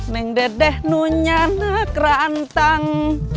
neng dedeh nunyana kerantang